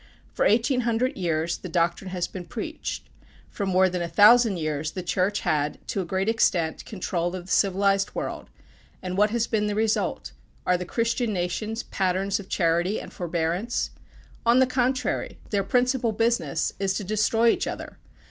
For eighteen hundred years the doctrine has been preached. For more than a thousand years the Church had, to a great extent, control of the civilized world, and what has been the result? Are the Christian nations patterns of charity and forbearance? On the contrary, their principal business is to destroy each other.